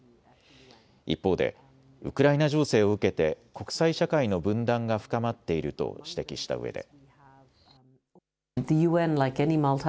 一方でウクライナ情勢を受けて国際社会の分断が深まっていると指摘したうえで。